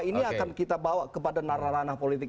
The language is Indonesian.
ini akan kita bawa kepada nararana politik